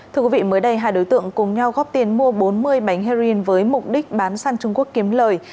thưa quý vị mới đây hai đối tượng cùng nhau góp tiền mua bốn mươi bánh heroin với mục đích bán săn trung quốc kiếm lời